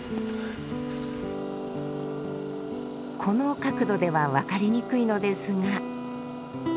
この角度では分かりにくいのですが。